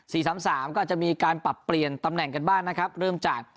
สามสามก็อาจจะมีการปรับเปลี่ยนตำแหน่งกันบ้างนะครับเริ่มจาก